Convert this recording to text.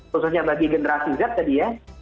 khususnya bagi generasi z tadi ya